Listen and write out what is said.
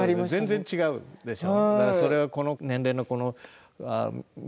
全然違うでしょ。